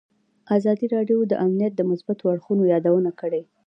ازادي راډیو د امنیت د مثبتو اړخونو یادونه کړې.